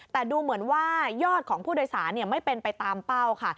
แต่ดูเหมือนว่ายอดของผู้โดยสารไม่เป็นไปตามเป้าค่ะ